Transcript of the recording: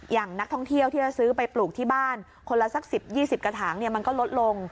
อย่างนักท่องเที่ยวที่จะซื้อไปปลูกที่บ้านคนละสัก๑๐๒๐กระถางมันก็ลดลง